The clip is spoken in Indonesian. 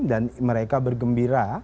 dan mereka bergembira